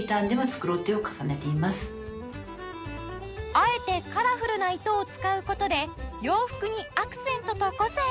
あえてカラフルな糸を使う事で洋服にアクセントと個性が！